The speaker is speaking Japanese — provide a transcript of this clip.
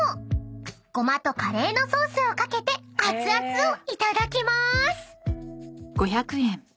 ［ゴマとカレーのソースを掛けてあつあつをいただきまーす］